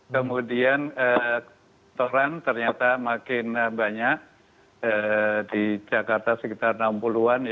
kemudian kotoran ternyata makin banyak di jakarta sekitar enam puluh an